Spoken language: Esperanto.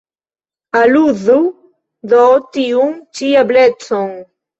Eluzu do tiun ĉi eblecon.